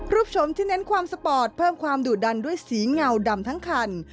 ชมที่เน้นความสปอร์ตเพิ่มความดุดันด้วยสีเงาดำทั้งคัน